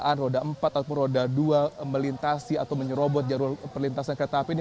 apakah terjadi di mana kereta api ini dapat ataupun roda dua melintasi atau menyerobot jarum perlintasan kereta api ini